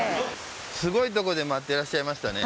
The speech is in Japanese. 垢瓦い箸海待ってらっしゃいましたね。